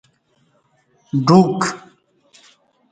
ڈوک